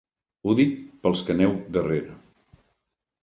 Ho dic pels que aneu darrera.